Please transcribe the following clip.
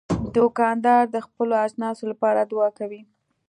دوکاندار د خپلو اجناسو لپاره دعا کوي.